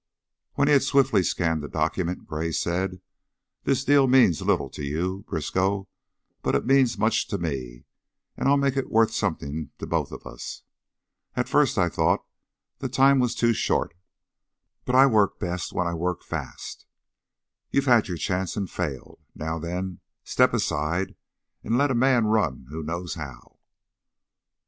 When he had swiftly scanned the document, Gray said: "This deal means little to you, Briskow, but it means much to me, and I'll make it worth something to both of us. At first I thought the time was too short, but I work best when I work fast. You've had your chance and failed. Now then, step aside and let a man run who knows how."